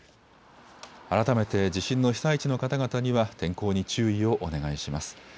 改めて地震の被災地の方々には天候に注意をお願いします。